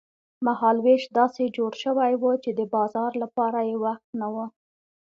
مهال وېش داسې جوړ شوی و چې د بازار لپاره یې وخت نه و.